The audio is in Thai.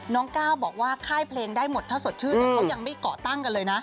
ก้าวบอกว่าค่ายเพลงได้หมดถ้าสดชื่นเขายังไม่เกาะตั้งกันเลยนะ